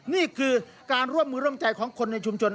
นี่คือการร่วมมือร่วมใจของคนในชุมชน